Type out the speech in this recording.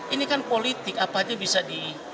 ini kan politik apanya bisa di